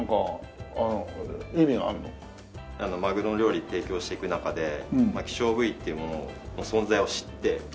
まぐろの料理提供していく中で希少部位っていうものを存在を知って。